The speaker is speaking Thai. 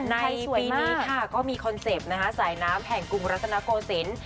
ในปีนี้ค่ะก็มีคอนเซ็ปต์นะคะสายน้ำแห่งกรุงรัตนโกศิลป์